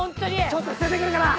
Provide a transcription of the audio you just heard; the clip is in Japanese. ちょっと捨ててくるから。